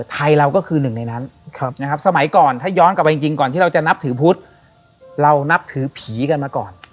ไทยเราก็คือหนึ่งในนั้นนะครับสมัยก่อนถ้าย้อนกลับไปจริงก่อนที่เราจะนับถือพุทธเรานับถือผีกันมาก่อน